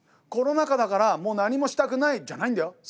コロナ禍だからもう何もしたくないじゃないんだよ。